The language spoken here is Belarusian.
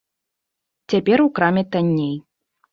Цяпер у краме танней.